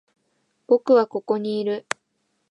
僕はここにいる。